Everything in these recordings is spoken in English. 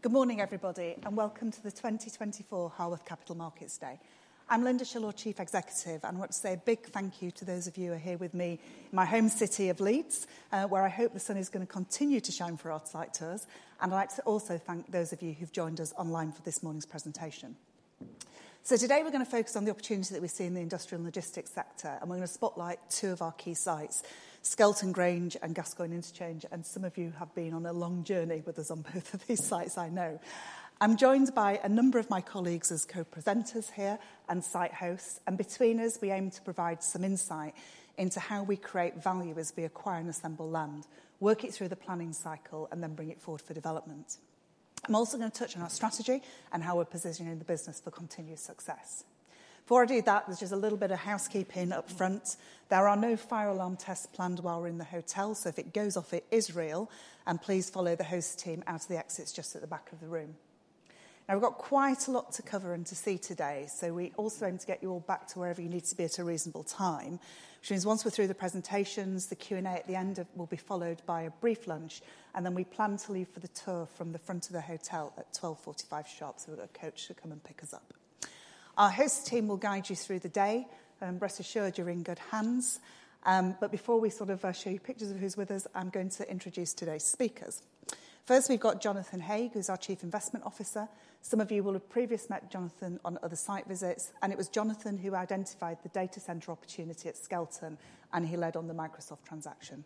Good morning, everybody, and welcome to the 2024 Harworth Capital Markets Day. I'm Lynda Shillaw, Chief Executive, and I want to say a big thank you to those of you who are here with me in my home city of Leeds, where I hope the sun is going to continue to shine for our site tours. And I'd like to also thank those of you who've joined us online for this morning's presentation. So today we're going to focus on the opportunity that we see in the industrial and logistics sector and we're going to spotlight two of our key sites, Skelton Grange and Gascoigne Interchange. And some of you have been on a long journey with us on both of these sites. I know I'm joined by a number of my colleagues as co-presenters here and site hosts. And between us, we aim to provide some insight into how we create value as we acquire and assemble land, work it through the planning cycle and then bring it forward for development. I'm also going to touch on our strategy and how we're positioning the business for continued success. Before I do that, there's just a little bit of housekeeping up front. There are no fire alarm tests planned while we're in the hotel, so if it goes off, it is real. And please follow the host team out of the exits just at the back of the room. Now, we've got quite a lot to cover and to see today, so we also aim to get you all back to wherever you need to be at a reasonable time, which means once we're through the presentations, the Q and A at the end will be followed by a brief lunch and then we plan to leave for the tour from the front of the hotel at 12:45 P.M. sharp. So we've got a coach to come and pick us up. Our host team will guide you through the day. Rest assured, you're in good hands. But before we sort of show you pictures of who's with us, I'm going to introduce today's speakers. First, we've got Jonathan Haigh, who's our Chief Investment Officer. Some of you will have previously met Jonathan on other site visits. It was Jonathan who identified the data center opportunity at Skelton and he led on the Microsoft transaction.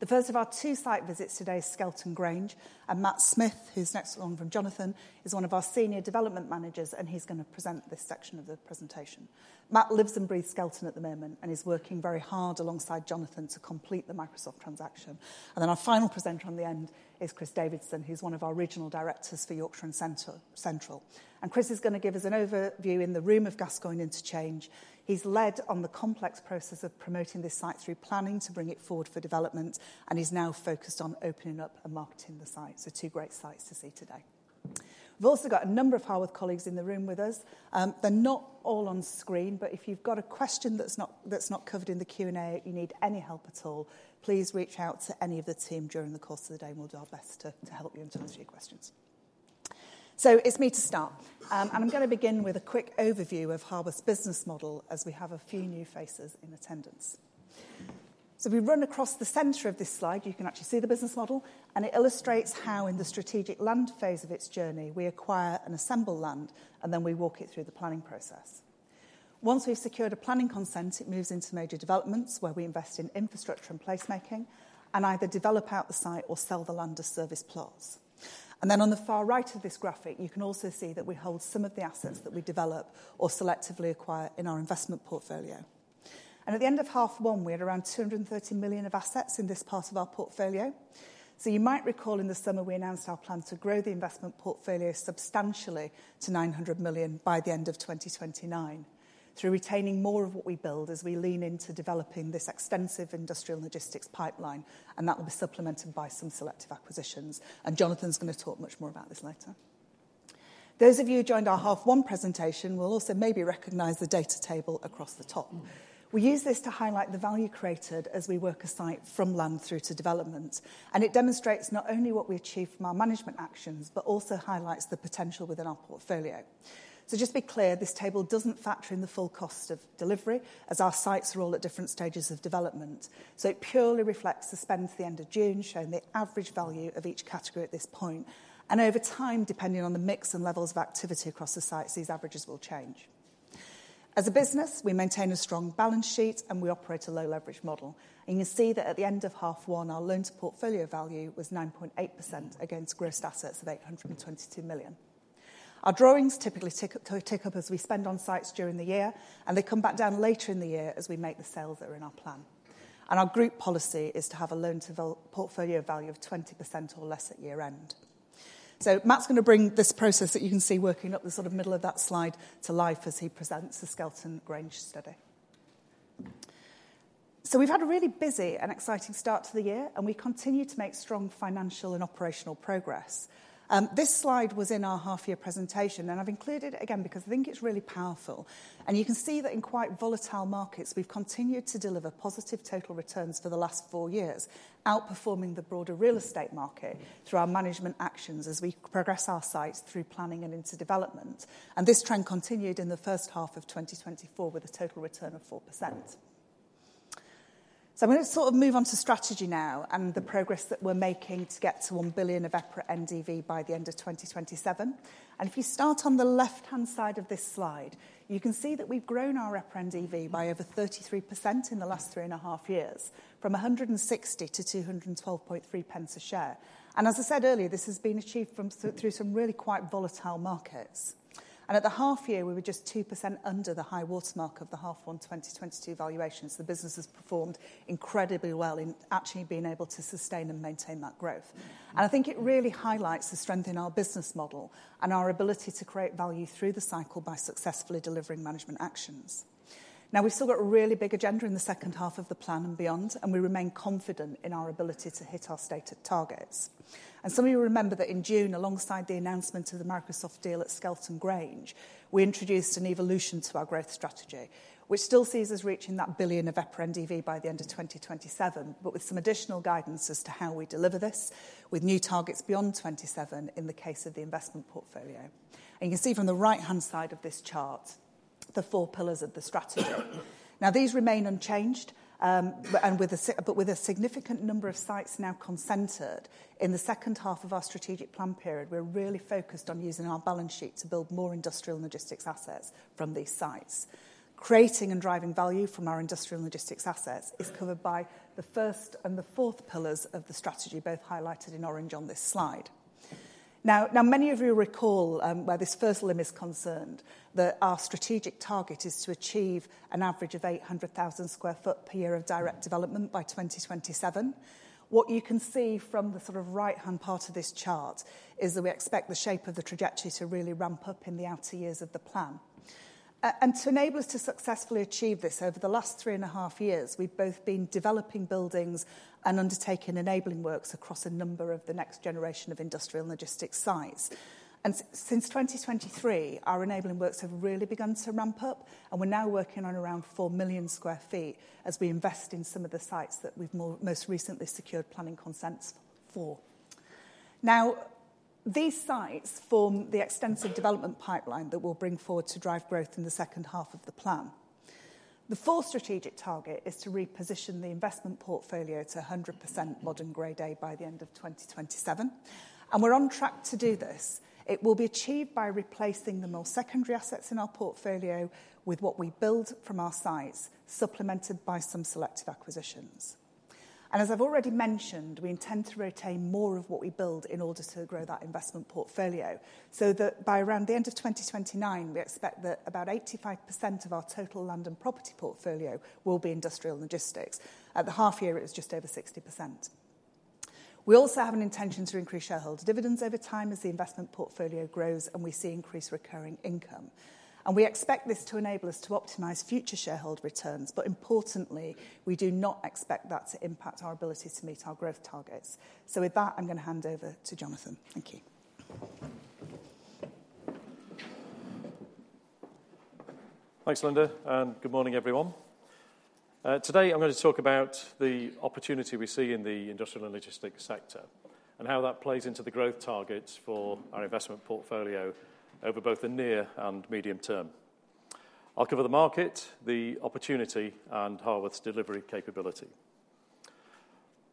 The first of our two site visits today is Skelton Grange, and Matt Smith, who's next on from Jonathan, is one of our senior development managers and he's going to present this section of the presentation. Matt lives and breathes Skelton at the moment and is working very hard alongside Jonathan to complete the Microsoft transaction. Then our final presenter on the end is Chris Davidson, who's one of our regional directors for Yorkshire and Central. Chris is going to give us an overview in the room of Gascoigne Interchange. He's led on the complex process of promoting this site through planning to bring it forward for development, and he's now focused on opening up and marketing the site. Two great sites to see today. We've also got a number of Harworth colleagues in the room with us. They're not all on screen, but if you've got a question that's not covered in the Q and A, you need any help at all, please reach out to any of the team during the course of the day and we'll do our best to help you and to answer your questions. So it's me to start, and I'm going to begin with a quick overview of Harworth's business model, as we have a few new faces in attendance, so we run across the center of this slide, you can actually see the business model. And it illustrates how in the strategic land phase of its journey, we acquire and assemble land and then we walk it through the planning process. Once we've secured a planning consent, it moves into major developments where we invest in infrastructure and place making and either develop out the site or sell the land as service plots, and then on the far right of this graphic, you can also see that we hold some of the assets that we develop or selectively acquire in our investment portfolio, and at the end of half one, we had around 230 million of assets in this part of our portfolio. So you might recall, in the summer, we announced our plan to grow the investment portfolio substantially to 900 million by the end of 2029, through retaining more of what we build as we lean into developing this extensive industrial logistics pipeline, and that will be supplemented by some selective acquisitions, and Jonathan's going to talk much more about this later. Those of you who joined our Half one presentation will also maybe recognize the data table across the top. We use this to highlight the value created as we work a site from land through to development. It demonstrates not only what we achieved from our management actions, but also highlights the potential within our portfolio. Just be clear, this table doesn't factor in the full cost of delivery, as our sites are all at different stages of development. It purely reflects the spend to the end of June, showing the average value of each category at this point. Over time, depending on the mix and levels of activity across the sites, these averages will change. As a business, we maintain a strong balance sheet and we operate a low leverage model. You see that at the end of half one our loan to portfolio value was 9.8% against gross assets of 822 million. Our drawings typically tick up as we spend on sites during the year and they come back down later in the year as we make the sales that are in our plan. Our group policy is to have a loan to portfolio value of 20% or less at year end. Matt's going to bring this process that you can see working up the sort of middle of that slide so to life as he presents the Skelton Grange study. We've had a really busy and exciting start to the year and we continue to make strong financial and operational progress. This slide was in our half year presentation and I've included it again because I think it's really powerful. You can see that in quite volatile markets we've continued to deliver positive total returns for the last four years, outperforming the broader real estate market through our management actions as we progress our sites through planning and into development. This trend continued in the first half of 2024 with a total return of 4%. I'm going to sort of move on to strategy now and the progress that we're making to get to 1 billion of EPRA NDV by the end of 2027. If you start on the left hand side of this slide, you can see that we've grown our EPRA NAV by over 33% in the last three and a half years from 160 to 212.3 pence a share. As I said earlier, this has been achieved through some really quite volatile markets. At the half year we were just 2% under the high water mark of the half one 2022 valuations. The business has performed incredibly well in actually being able to sustain and maintain that growth. I think it really highlights the strength in our business model and our ability to create value through the cycle by successfully delivering management actions. Now we've still got a really big agenda in the second half of the plan and beyond and we remain confident in our ability to hit our stated targets. Some of you remember that in June, alongside the announcement of the Microsoft deal at Skelton Grange, we introduced an evolution to our growth strategy which still sees us reaching that billion of EPRA NDV by the end of 2027, but with some additional guidance as to how we deliver this with new targets beyond 27, in the case of the investment portfolio. You can see from the right hand side of this chart the four pillars of the strategy. Now, these remain unchanged, but with a significant number of sites now concentrated in the second half of our strategic plan period, we're really focused on using our balance sheet to build more industrial and logistics assets from these sites. Creating and driving value from our industrial logistics assets is covered by the first and the fourth pillars of the strategy, both highlighted in orange on this slide. Now, many of you recall where this first limb is concerned, that our strategic target is to achieve an average of 800,000 sq ft per year of direct development by 2027. What you can see from the sort of right hand part of this chart is that we expect the shape of the trajectory to really ramp up in the outer years of the plan and to enable us to successfully achieve this. Over the last three and a half years, we've both been developing buildings and undertaking enabling works across a number of the next generation of industrial and logistics sites. And since 2023, our enabling works have really begun to ramp up. And we're now working on around 4 million sq ft as we invest in some of the sites that we've most recently secured planning consents for. Now, these sites form the extensive development pipeline that we'll bring forward to drive growth in the second half of the plan. The fourth strategic target is to reposition the investment portfolio to 100% modern Grade A by the end of 2027. And we're on track to do this. It will be achieved by replacing the more secondary assets in our portfolio with what we build from our sites, supplemented by some selective acquisitions. And as I've already mentioned, we intend to retain more of what we build in order to grow that investment portfolio. So that by around the end of 2029, we expect that about 85% of our total land and property portfolio will be industrial logistics. At the half year, it was just over 60%. We also have an intention to increase shareholder dividends over time as the investment portfolio grows and we see increased recurring income. And we expect this to enable us to optimize future shareholder returns. But importantly, we do not expect that to impact our ability to meet our growth targets. So with that, I'm going to hand over to Jonathan. Thank you. Thanks, Lynda. Good morning, everyone. Today I'm going to talk about the opportunity we see in the industrial and logistics sector and how that plays into the growth targets for our investment portfolio over both the near and medium term. I'll cover the market, the opportunity and Harworth's delivery capability.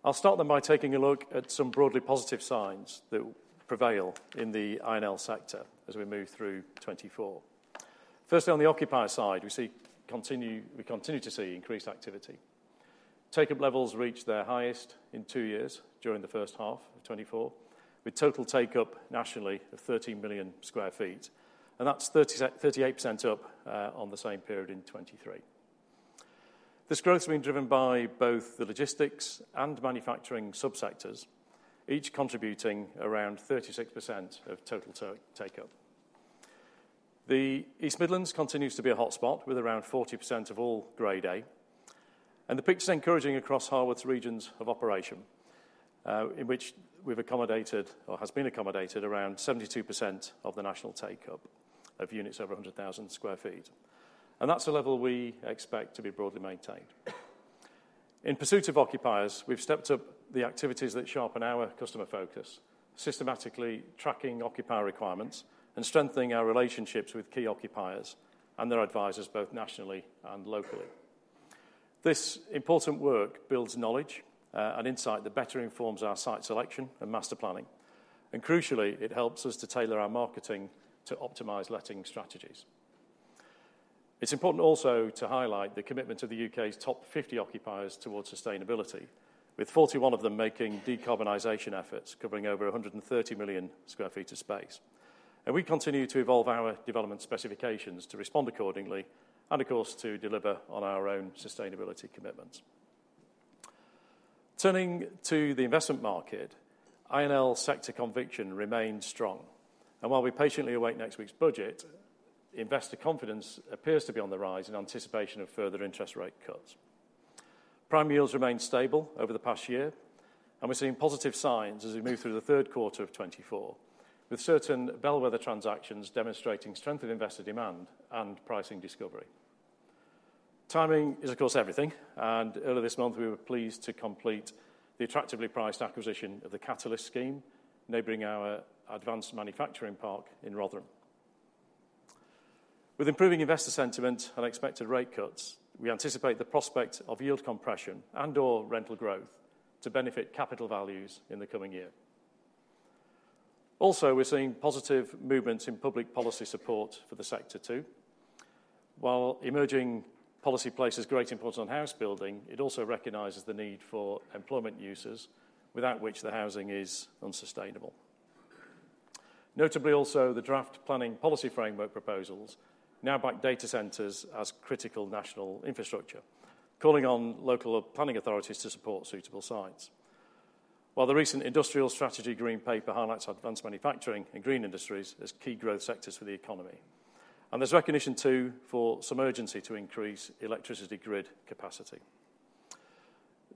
I'll start then by taking a look at some broadly positive signs that prevail in the I&L sector as we move through 2024. Firstly, on the occupier side, we continue to see increased activity. Take up levels reached their highest in two years during 1H24, with total take up nationally of 13 million sq ft, and that's 38% up on the same period in 2023. This growth has been driven by both the logistics and manufacturing subsectors, each contributing around 36% of total take up. The East Midlands continues to be a hotspot with around 40% of all Grade A. The picture is encouraging across Harworth's regions of operation in which we've accommodated, or has been accommodated, around 72% of the national take up of units over 100,000 sq ft. That's the level we expect to be broadly maintained. In pursuit of occupiers, we've stepped up the activities that sharpen our customer focus, systematically tracking occupier requirements and strengthening our relationships with key occupiers and their advisers, both nationally and locally. This important work builds knowledge and insight that better informs our site selection and master planning. Crucially, it helps us to tailor our marketing to optimize letting strategies. It's important also to highlight the commitment of the UK's top 50 occupiers towards sustainability, with 41 of them making decarbonization efforts covering over 130 million sq ft of space. And we continue to evolve our development specifications to respond accordingly and of course, to deliver on our own sustainability commitments. Turning to the investment market, I and L sector conviction remains strong and while we patiently await next week's budget, investor confidence appears to be on the rise in anticipation of further interest rate cuts. Prime yields remained stable over the past year and we're seeing positive signs as we move through 3Q24 with certain bellwether transactions demonstrating strength in investor demand and pricing. Discovery timing is of course everything and earlier this month we were pleased to complete the attractively priced acquisition of the Catalyst scheme neighboring our advanced manufacturing park in Rotherham. With improving investor sentiment and expected rate cuts, we anticipate the prospect of yield compression and or rental growth to benefit capital values in the coming year. Also, we're seeing positive movements in public policy support for the sector too. While emerging policy places great importance on house building, it also recognizes the need for employment uses without which the housing is unsustainable. Notably also, the Draft Planning Policy Framework proposals now back data centers as critical national infrastructure, calling on local planning authorities to support suitable sites. While the recent Industrial Strategy Green Paper highlights advanced manufacturing and green industries as key growth sectors for the economy, and there's recognition too for some urgency to increase electricity grid capacity.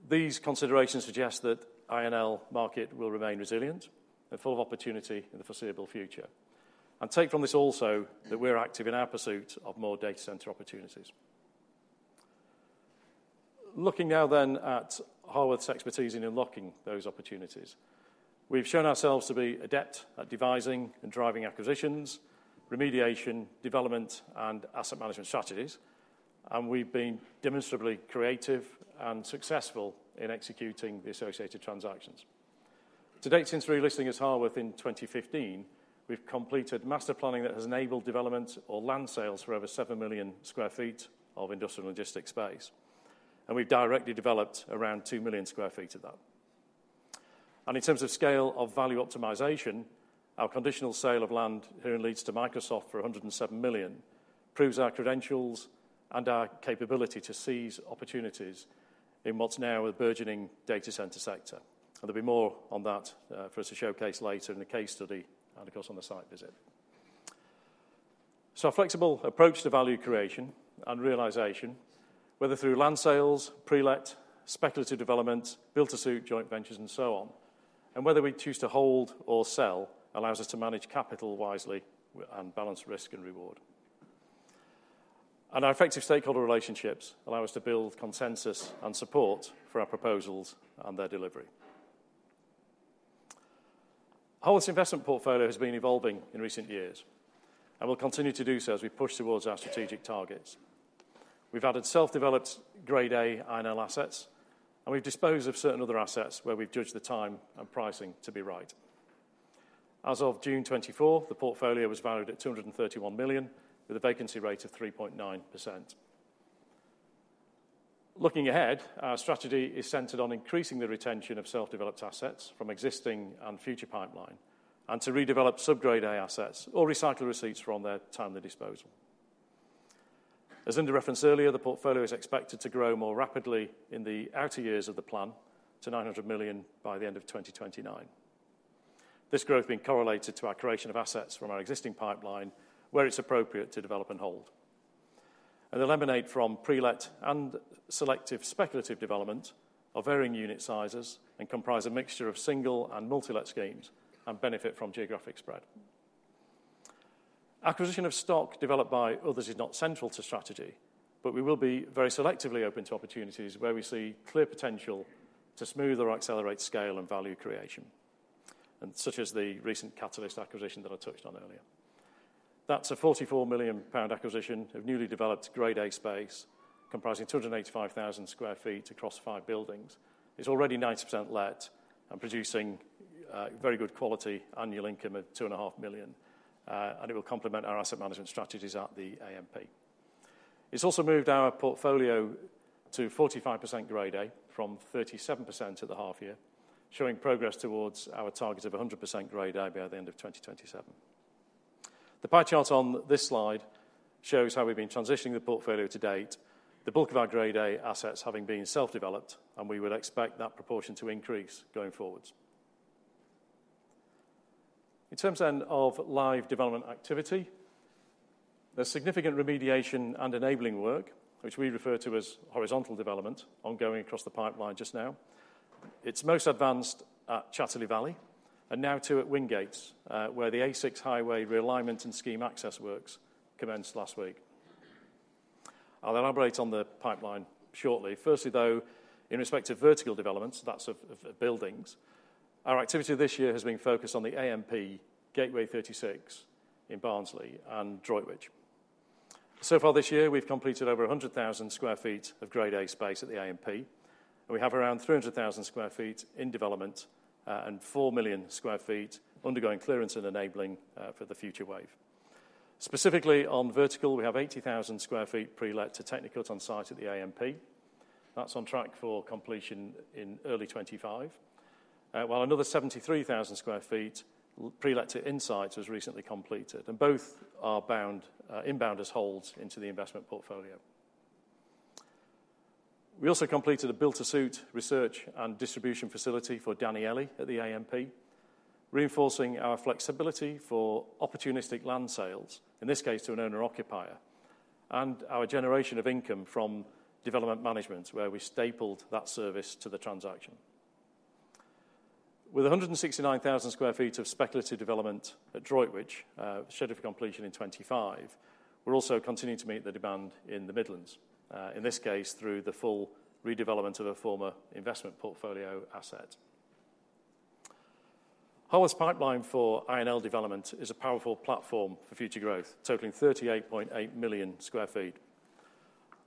These considerations suggest that I and L market will remain resilient and full of opportunity in the foreseeable future, and take from this also that we're active in our pursuit of more data center opportunities. Looking now then at Harworth's expertise in unlocking those opportunities, we've shown ourselves to be adept at devising and driving acquisitions, remediation, development and asset management strategies and we've been demonstrably creative and successful in executing the associated transactions to date. Since relisting as Harworth in 2015, we've completed master planning that has enabled development or land sales for over 7 million sq ft of industrial logistics space and we've directly developed around 2 million sq ft of that. In terms of scale of value optimization, our conditional sale of land here in Leeds to Microsoft for 107 million proves our credentials and our capability to seize opportunities in what's now a burgeoning data center sector. There'll be more on that for us to showcase later in the case study and of course on the site visit. Flexible approach to value creation and realization, whether through land sales, pre-let speculative development, build-to-suit joint ventures and so on and whether we choose to hold or sell allows us to manage capital wisely and balance risk and reward. Our effective stakeholder relationships allow us to build consensus and support for our proposals and their delivery. Harworth's investment portfolio has been evolving in recent years and will continue to do so as we push towards our strategic targets. We've added self-developed Grade A I&L assets and we've disposed of certain other assets where we've judged the time and pricing to be right. As of June 24th the portfolio was valued at 231 million with a vacancy rate of 3.9%. Looking ahead, our strategy is centered on increasing the retention of self-developed assets from existing and future pipeline and to redevelop sub-Grade A assets or recycle receipts from their timely disposal. As Lynda referenced earlier, the portfolio is expected to grow more rapidly in the outer years of the plan to 900 million by the end of 2029. This growth being correlated to our creation of assets from our existing pipeline where it's appropriate to develop and hold and income from pre-let and selective speculative development of varying unit sizes and comprise a mixture of single- and multi-let schemes and benefit from geographic spread. Acquisition of stock developed by others is not central to strategy, but we will be very selectively open to opportunities where we see clear potential to smooth or accelerate scale and value creation, such as the recent Catalyst acquisition that I touched on earlier. That's a 44 million pound acquisition of newly developed grade A space comprising 285,000 sq ft across five buildings. It's already 90% let and producing very good quality annual income of 2.5 million and it will complement our asset management strategies at the AMP. It's also moved our portfolio to 45% grade A from 37% at the half year, showing progress towards our target of 100% grade A by the end of 2027. The pie chart on this slide shows how we've been transitioning the portfolio to date, the bulk of our Grade A assets having been self developed and we would expect that proportion to increase going forwards. In terms then of live development activity, there's significant remediation and enabling work which we refer to as horizontal development ongoing across the pipeline. Just now it's most advanced at Chatterley Valley and now too at Wingates where the A6 highway realignment and scheme access works commenced last week. I'll elaborate on the pipeline shortly. Firstly though, in respect to vertical developments, that's of buildings, our activity this year has been focused on the AMP, Gateway 36 in Barnsley and Droitwich. So far this year we've completed over 100,000 sq ft of Grade A space at the AMP. We have around 300,000 sq ft in development and 4 million sq ft undergoing clearance and enabling for the future wave. Specifically on vertical we have 80,000 sq ft pre-let to Technicut on site at the AMP. That's on track for completion in early 2025 while another 73,000 sq ft pre-let to Insight has recently completed and both are inbound as holes into the investment portfolio. We also completed a build-to-suit research and distribution facility for Danieli at the AMP, reinforcing our flexibility for opportunistic land sales in this case to an owner-occupier and our generation of income from development management where we stapled that service to the transaction with 169,000 sq ft of speculative development at Droitwich scheduled for completion in 2025. We're also continuing to meet the demand in the Midlands, in this case through the full redevelopment of a former investment portfolio. Harworth's pipeline for I&L development is a powerful platform for future growth totaling 38.8 million sq ft.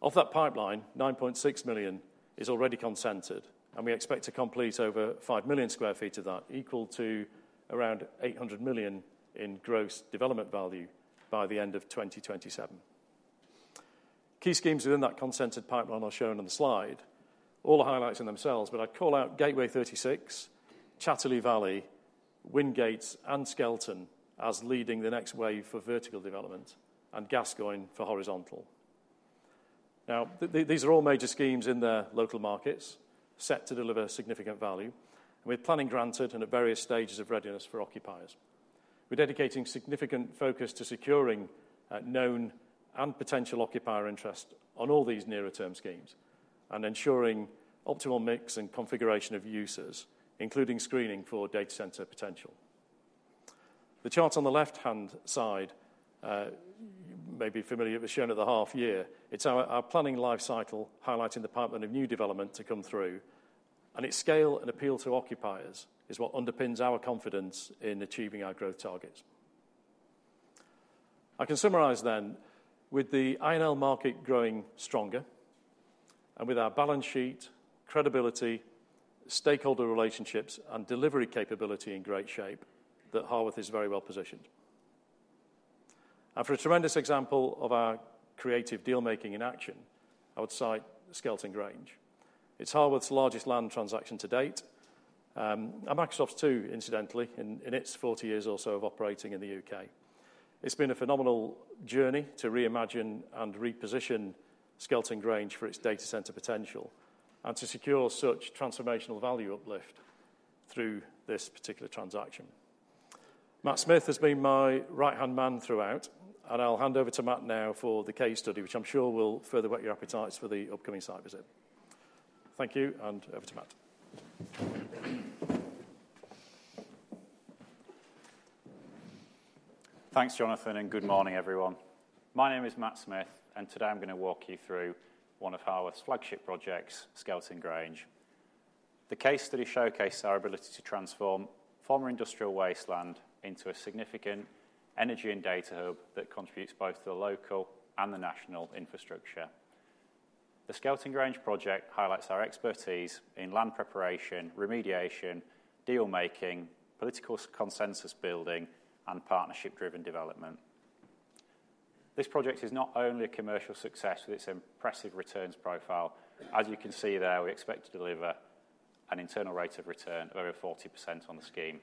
Off that pipeline, 9.6 million is already consented and we expect to complete over 5 million sq ft of that equal to around 800 million in gross development value by the end of 2027. Key schemes within that consented pipeline are shown on the slide. All the highlights in themselves, but I'd call out Gateway 36, Chatterley Valley, Wingates and Skelton as leading the next wave for vertical development and Gascoigne for horizontal. Now these are all major schemes in the local markets set to deliver significant value with planning granted and at various stages of readiness for occupiers. We're dedicating significant focus to securing known and potential occupier interest on all these nearer term schemes and ensuring optimal mix and configuration of users including screening for data center potential. The chart on the left-hand side may be familiar with shown at the half year. It's our planning life cycle. Highlighting the pipeline of new development to come through and its scale and appeal to occupiers is what underpins our confidence in achieving our growth targets. I can summarize then, with the I&L market growing stronger and with our balance sheet credibility, stakeholder relationships and delivery capability in great shape, that Harworth is very well positioned for a tremendous example of our creative deal making in action. I would cite Skelton Grange. It's Harworth's largest land transaction to date. Microsoft, too, incidentally. In its 40 years or so of operating in the U.K. it's been a phenomenal journey to reimagine and reposition Skelton Grange for its data center potential and to secure such transformational value uplift through this particular transaction. Matt Smith has been my right hand man throughout and I'll hand over to Matt now for the case study which I'm sure will further whet your appetites for the upcoming site visit. Thank you and over to Matt. Thanks, Jonathan, and good morning, everyone. My name is Matt Smith, and today I'm going to walk you through one of Harworth's flagship projects, Skelton Grange. The case study showcases our ability to transform former industrial wasteland into a significant energy and data hub that contributes both to the local and the national infrastructure. The Skelton Grange project highlights our expertise in land preparation, remediation, deal making, political consensus building, and partnership driven development. This project is not only a commercial success with its impressive returns profile, as you can see there, we expect to deliver an internal rate of return of over 40% on the scheme,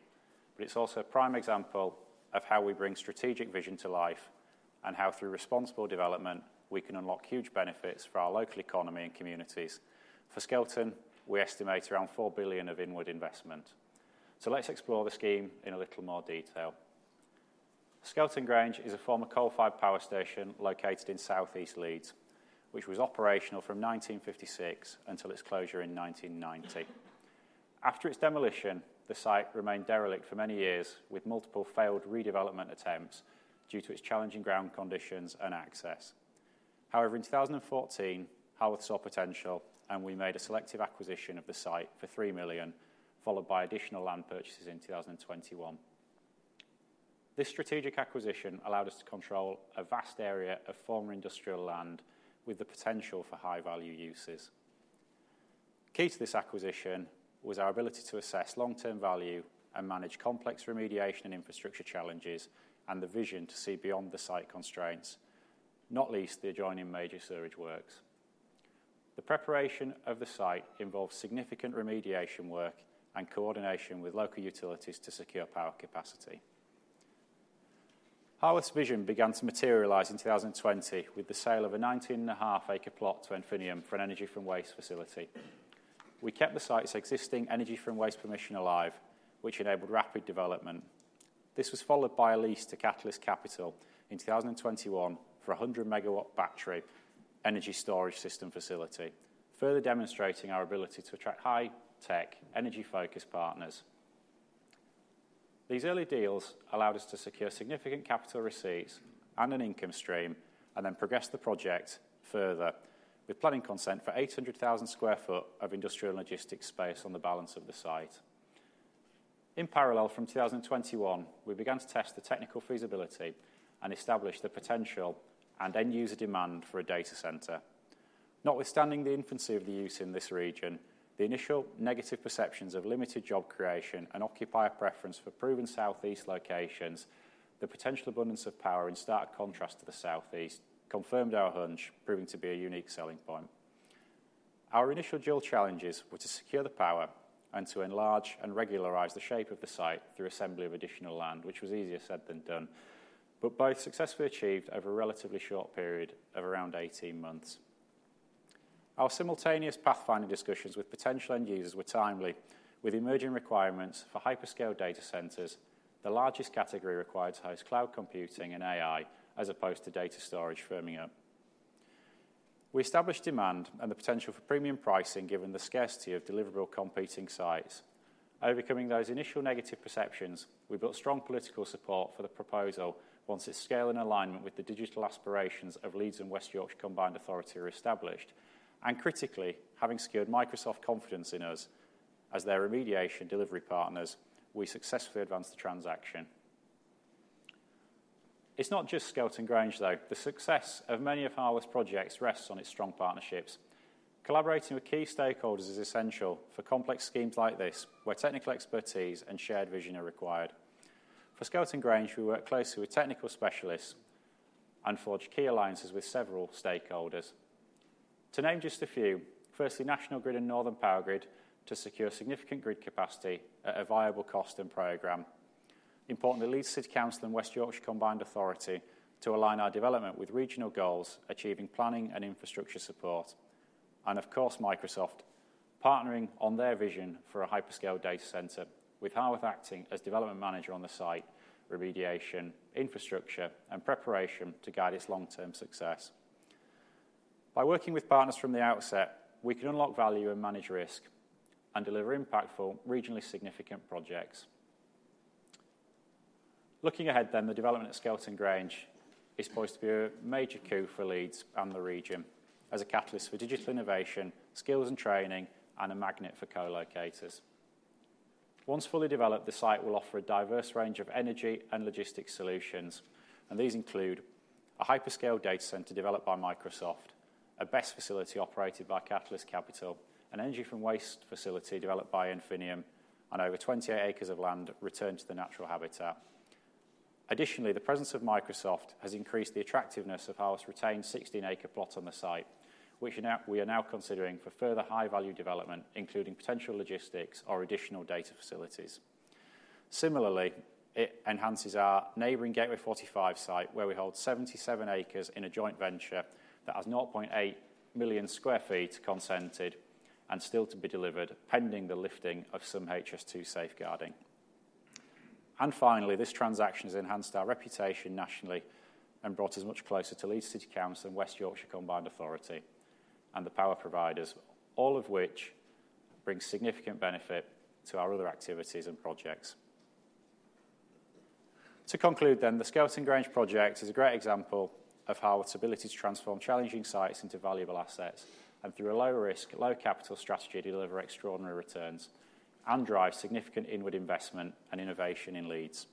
but it's also a prime example of how we bring strategic vision to life and how through responsible development we can unlock huge benefits for our local economy and communities. For Skelton, we estimate around 4 billion of inward investment. Let's explore the scheme in a little more detail. Skelton Grange is a former coal-fired power station located in South East Leeds which was operational from 1956 until its closure in 1990. After its demolition, the site remained derelict for many years with multiple failed redevelopment attempts due to its challenging ground conditions and access. However, in 2014 Harworth saw potential and we made a selective acquisition of the site for 3 million followed by additional land purchases in 2021. This strategic acquisition allowed us to control a vast area of former industrial land with the potential for high-value uses. Key to this acquisition was our ability to assess long-term value and manage complex remediation and infrastructure challenges and the vision to see beyond the site constraints, not least the adjoining major sewerage works. The preparation of the site involved significant remediation work and coordination with local utilities to secure power capacity. Harworth's vision began to materialize in 2020 with the sale of a 19.5-acre plot to Enfinium for an energy-from-waste facility. We kept the site's existing energy-from-waste permission alive which enabled rapid development. This was followed by a lease to Catalyst Capital in 2021 for a 100-megawatt battery energy storage system facility, further demonstrating our ability to attract high-tech energy-focused partners. These early deals allowed us to secure significant capital receipts and an income stream and then progressed the project further with planning consent for 800,000 sq ft of industrial and logistics space on the balance of the site. In parallel from 2021 we began to test the technical feasibility and establish the potential and end user demand for a data center. Notwithstanding the infancy of the use in this region, the initial negative perceptions of limited job creation and occupier preference for proven south east locations. The potential abundance of power in stark contrast to the south east confirmed our hunch, proving to be a unique selling point. Our initial dual challenges were to secure the power and to enlarge and regularize the shape of the site through assembly of additional land, which was easier said than done, but both successfully achieved over a relatively short period of around 18 months. Our simultaneous pathfinder discussions with potential end users were timely with emerging requirements for hyperscale data centers, the largest category required to host cloud computing and AI as opposed to data storage. Firming up, we established demand and the potential for premium pricing given the scarcity of deliverable competing sites. Overcoming those initial negative perceptions, we built strong political support for the proposal once its scale in alignment with the digital aspirations of Leeds and West Yorkshire Combined Authority are established. And critically, having secured Microsoft confidence in us as their remediation delivery partners, we successfully advanced the transaction. It's not just Skelton Grange though. The success of many of Harworth's projects rests on its strong partnerships. Collaborating with key stakeholders is essential for complex schemes like this where technical expertise and shared vision are required. For Skelton Grange we work closely with technical specialists and forged key alliances with several stakeholders, to name just a few. Firstly, National Grid and Northern Powergrid to secure significant grid capacity at a viable cost and program. Importantly, Leeds City Council and West Yorkshire Combined Authority to align our development with regional goals, achieving planning and infrastructure support. And of course, Microsoft partnering on their vision for a hyperscale data center with Harworth acting as Development Manager on the site, remediation infrastructure and preparation to guide its long-term success. By working with partners from the outset we can unlock value and manage risk and deliver impactful regionally significant projects. Looking ahead then, the development of Skelton Grange is poised to be a major coup for Leeds and the region as a catalyst for digital innovation, skills and training and a magnet for co-locators. Once fully developed the site will offer a diverse range of energy and logistics solutions. These include a hyperscale data center developed by Microsoft, a BESS facility operated by Catalyst Capital, an energy from waste facility developed by Enfinium and over 28 acres of land returned to the natural habitat. Additionally, the presence of Microsoft has increased the attractiveness of our retained 16-acre plot on the site which we are now considering for further high-value development including potential logistics or additional data facilities. Similarly, it enhances our neighbouring Gateway 45 site where we hold 77 acres in a joint venture that has 0.8 million sq ft consented and still to be delivered pending the lifting of some HS2 safeguarding. Finally, this transaction has enhanced our reputation nationally, brought us much closer to Leeds City Council and West Yorkshire Combined Authority and the power providers, all of which bring significant benefit to our other activities and projects. To conclude then, the Skelton Grange project is a great example of how its ability to transform challenging sites into valuable assets and through a low risk low capital strategy deliver extraordinary returns and drive significant inward investment and innovation in Leeds.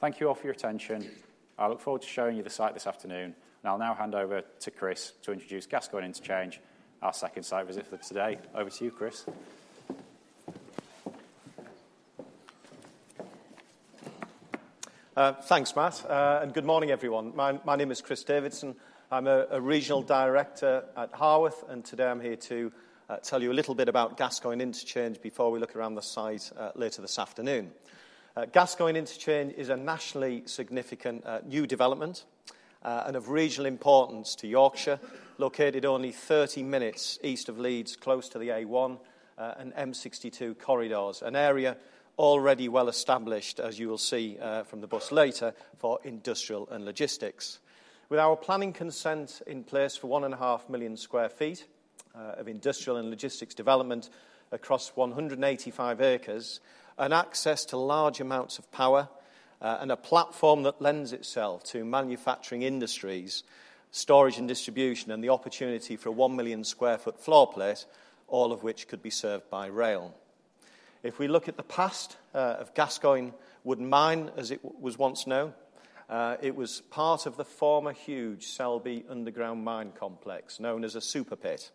Thank you all for your attention. I look forward to showing you the site this afternoon. I'll now hand over to Chris to introduce Gascoigne Interchange, our second site visit for today. Over to you, Chris. Thanks, Matt, and good morning everyone. My name is Chris Davidson, I'm a regional director at Harworth and today I'm here to tell you a little bit about Gascoigne Interchange before we look around the site later this afternoon. Gascoigne Interchange is a nationally significant new development and of regional importance to Yorkshire. Located only 30 minutes east of Leeds, close to the A1 and M62 corridors, an area already well established, as you will see from the bus later, for industrial and logistics. With our planning consent in place for 1.5 million sq ft of industrial and logistics development across 185 acres and access to large amounts of power and a platform that lends itself to manufacturing industries, storage and distribution, and the opportunity for a 1 million sq ft floorplate, all of which could be served by rail. If we look at the past of Gascoigne Wood Mine as it was once known, it was part of the former huge Selby underground mine complex, known as a super pit,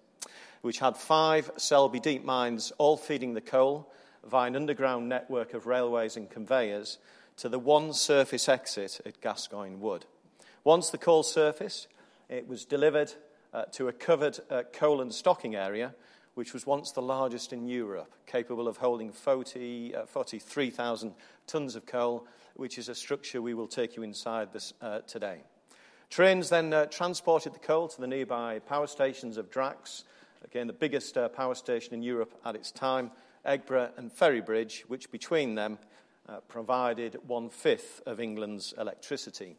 which had five Selby deep mines, all feeding the coal via an underground network of railways and conveyors to the one surface exit at Gascoigne Wood. Once the coal surfaced, it was delivered to a covered coal and stocking area which was once the largest in Europe, capable of holding 43,000 tons of coal, which is a structure we will take you inside today. Trains then transported the coal to the nearby power stations of Drax, again the biggest power station in Europe at its time, Eggborough and Ferrybridge, which between them provided one fifth of England's electricity.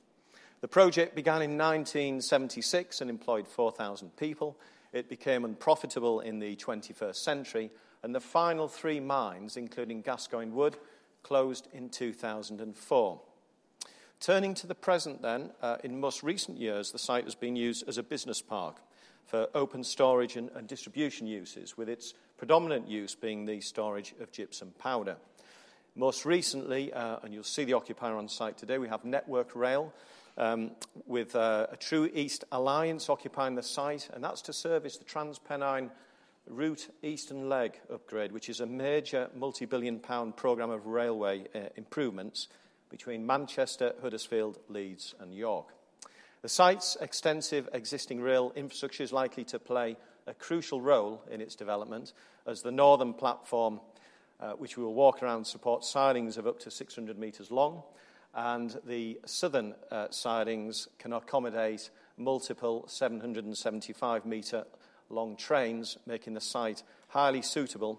The project began in 1976 and employed 4,000 people. It became unprofitable in the 21st century and the final three mines, including Gascoigne Wood, closed in 2004. Turning to the present then, in most recent years the site has been used as a business park for open storage and distribution uses, with its predominant use being the storage of gypsum powder. Most recently, and you'll see the occupier on site today, we have Network Rail with a TRU East Alliance occupying the site and that's to service the Transpennine Route eastern leg upgrade, which is a major multi-billion pound program of railway improvements between Manchester, Huddersfield, Leeds and York. The site's extensive existing rail infrastructure is likely to play a crucial role in its development as the northern platform, which we will walk around. Supports sidings of up to 600 meters long and the southern sidings can accommodate multiple 775 meter long trains, making the site highly suitable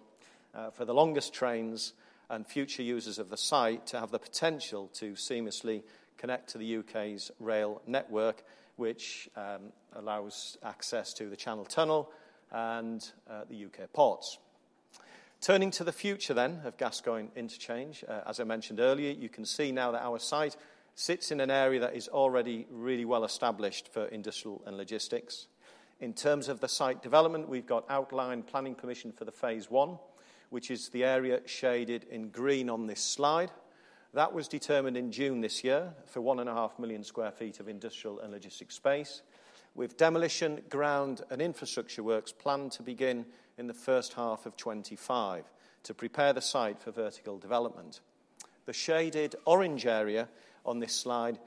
for the longest trains and future users of the site to have the potential to seamlessly connect to the U.K.'s rail network, which allows access to the Channel Tunnel and the U.K. ports. Turning to the future then of Gascoigne Interchange, as I mentioned earlier, you can see now that our site sits in an area that is already really well established for industrial and logistics. In terms of the site development, we've got outline planning permission for the phase one, which is the area shaded in green on this slide that was determined in June this year for 1.5 million sq ft of industrial and logistics space, with demolition, ground and infrastructure works planned to begin in 1H25 to prepare the site for vertical development. The shaded orange area on this slide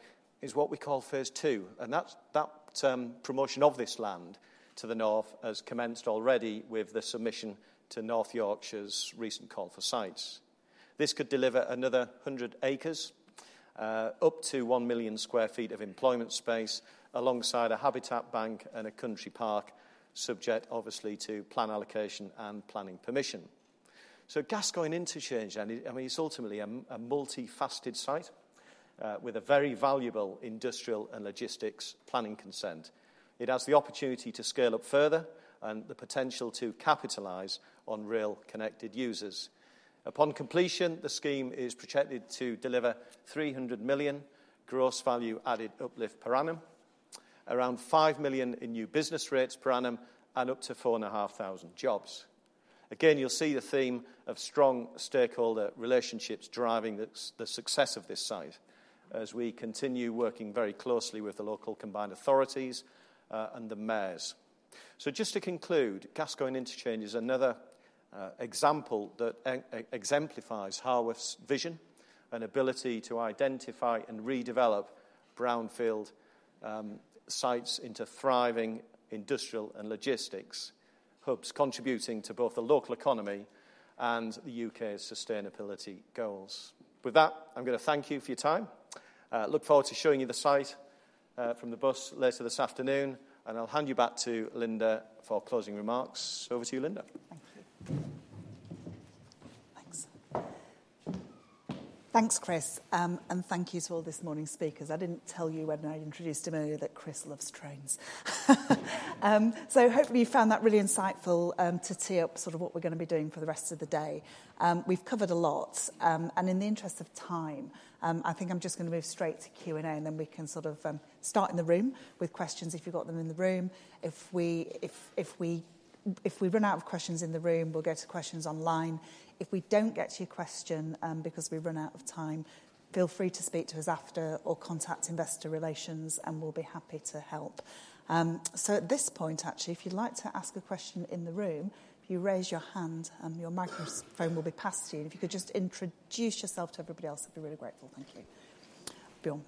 is what we call phase two. And that promotion of this land to the north has commenced already with the submission to North Yorkshire's recent call for sites. This could deliver another 100 acres, up to 1 million sq ft of employment space, alongside a habitat bank and a country park, subject obviously to plan allocation and planning permission. So Gascoigne Interchange, it's ultimately a multi-faceted site with a very valuable industrial and logistics planning consent. It has the opportunity to scale up further and the potential to capitalize on real connected users. Upon completion, the scheme is projected to deliver 300 million gross value added uplift per annum, around 5 million in new business rates per annum and up to 4,500 jobs. Again, you'll see the theme of strong stakeholder relationships driving the success of this site as we continue working very closely with the local combined authorities and the mayors. So just to conclude, Gascoigne Interchange is another example that exemplifies Harworth's vision and ability to identify and redevelop brownfield sites into thriving industrial and logistics hubs, contributing to both the local economy and the U.K.'s sustainability goals. With that, I'm going to thank you for your time. Look forward to showing you the site from the bus later this afternoon and I'll hand you back to Lynda for closing remarks. Over to you, Lynda. Thanks. Thanks, Chris. And thank you to all this morning's speakers. I didn't tell you when I introduced Chris that Chris loves trains, so hopefully you found that really insightful to tee up sort of what we're going to be doing for the rest of the day. We've covered a lot, and in the interest of time, I think I'm just going to move straight to Q and A. And then we can sort of start in the room with questions, if you've got them in the room. If we run out of questions in the room, we'll go to questions online. If we don't get to your question because we run out of time, feel free to speak to us after or contact investor relations and we'll be happy to help. So at this point, actually, if you'd like to ask a question in the room, if you raise your hand, your microphone will be passed to you. If you could just introduce yourself to everybody else, I'd be really grateful. Thank you, Bjorn.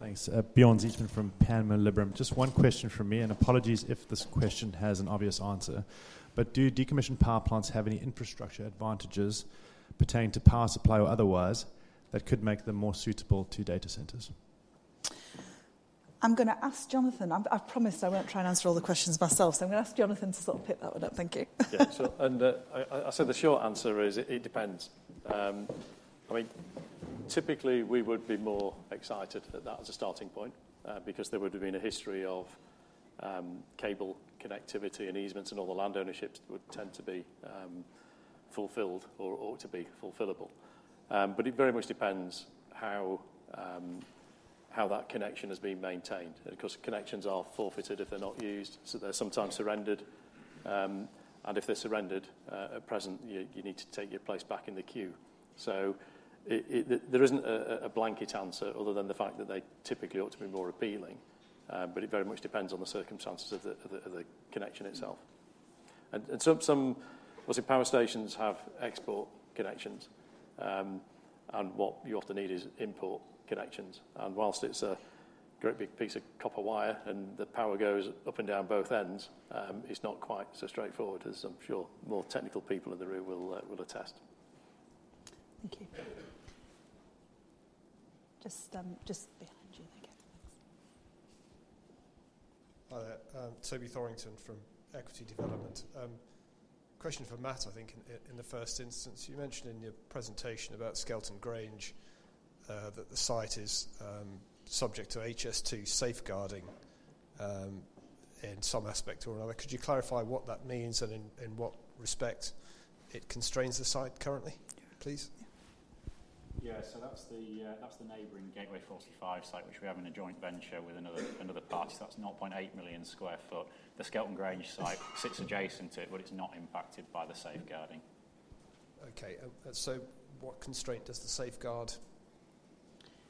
Thanks. Bjorn Zietsman from Panmure Liberum. Just one question from me and apologies if this question has an obvious answer, but do decommissioned power plants have any infrastructure advantages pertaining to power supply or otherwise, that could make them more suitable to data centers? I'm going to ask Jonathan. I promised I won't try and answer all the questions myself, so I'm going to ask Jonathan to sort of pick that one up. Thank you. I said the short answer is it depends. I mean, typically we would be more excited that, as a starting point, because there would have been a history of cable connectivity and easements and all the land ownerships would tend to be fulfilled or ought to be fulfillable. But it very much depends how that connection has been maintained, because connections are forfeited if they're not used, so they're sometimes surrendered, and if they're surrendered at present, you need to take your place back in the queue. So there isn't a blanket answer other than the fact that they typically ought to be more appealing. But it very much depends on the circumstances of the connection itself. Some power stations have export connections and what you often need is import connections. Whilst it's a great big piece of copper wire and the power goes up and down both ends, it's not quite so straightforward as I'm sure more technical people in the room will attest. Thank you. Just behind you. Hi there, Toby Thorrington from Equity Development. Question for Matt. I think in the first instance, you mentioned in your presentation about Skelton Grange that the site is subject to HS2 safeguarding in some aspect or another. Could you clarify what that means and in what respect it constrains the site currently, please? Yeah, so that's the neighbouring Gateway 45 site, which we have in a joint venture with another party. That's 0.8 million sq ft. The Skelton Grange site sits adjacent to it, but it's not impacted by the safeguarding. Okay, so what constraint does the safeguard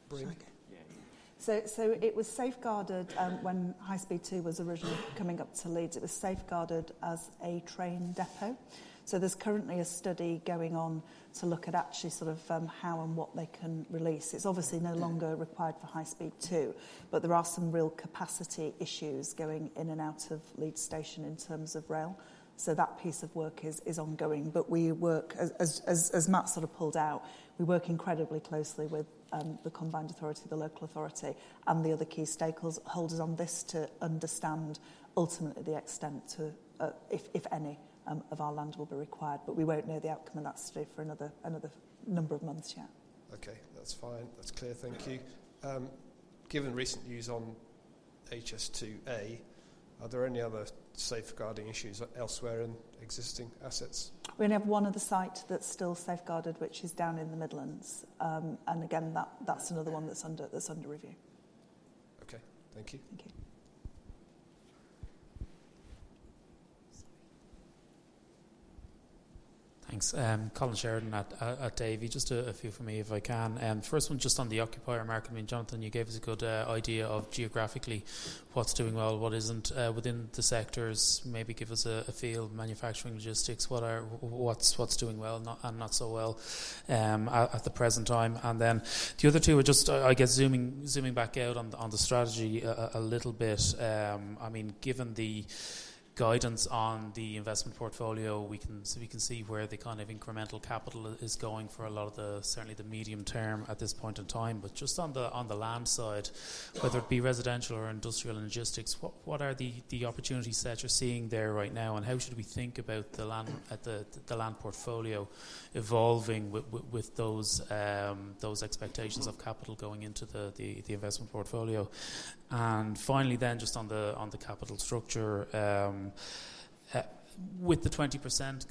bring? So it was safeguarded when High Speed 2 was originally coming up to Leeds. It was safeguarded as a train depot. So there's currently a study going on to look at actually sort of how and what they can release. It's obviously no longer required for High Speed 2, but there are some real capacity issues going in and out of Leeds Station in terms of rail. So that piece of work is ongoing. But we work, as Matt sort of pulled out, we work incredibly closely with the combined authority, the local authority and the other key stakeholders on this to understand ultimately the extent, if any of our land will be required. But we won't know the outcome. And that's today for another number of months yet. Okay, that's fine, that's clear. Thank you. Given recent news on HS2A, are there any other safeguarding issues elsewhere in existing assets? We only have one of the sites that's still safeguarded, which is down in the Midlands. Again, that's another one that's under review. Okay, thank you. Thank you. Thanks. Colin Sheridan at Davy. Just a few for me if I can. First one, just on the occupier market, Jonathan, you gave us a good idea of geographically, what's doing well, what isn't within the sector, maybe give us a feel. Manufacturing, logistics, what are. What's, what's doing well and not so well at the present time, and then the other two are just, I guess, zooming back out on the strategy a little bit. I mean, given the guidance on the investment portfolio, we can see where the kind of incremental capital is going for a lot of the. Certainly the medium term at this point in time. But just on the land side, whether it be residential or industrial and logistics, what are the opportunities that you're seeing there right now? And how should we think about the land portfolio evolving with those expectations of capital going into the investment portfolio? And finally then just on the capital structure, with the 20%